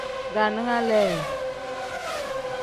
Daaninga lee.